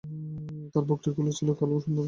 তাঁর বকরীগুলো ছিলো কালো ও সুন্দর।